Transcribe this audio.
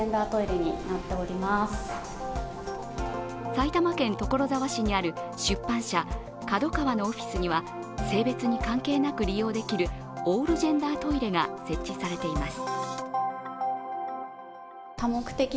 埼玉県所沢市にある出版社ＫＡＤＯＫＡＷＡのオフィスには性別に関係なく利用できるオールジェンダートイレが設置されています。